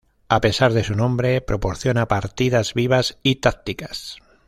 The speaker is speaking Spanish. A pesar de su nombre proporciona partidas vivas y tácticas.